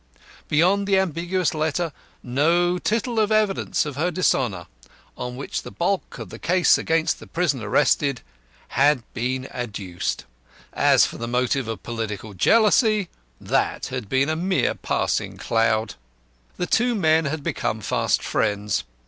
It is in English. Beyond the ambiguous letter, no tittle of evidence of her dishonour on which the bulk of the case against the prisoner rested had been adduced. As for the motive of political jealousy that had been a mere passing cloud. The two men had become fast friends.